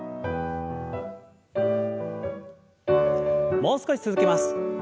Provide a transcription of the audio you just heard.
もう少し続けます。